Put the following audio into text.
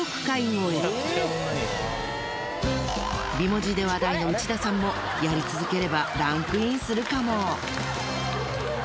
美文字で話題の内田さんもやり続ければランクインするかも？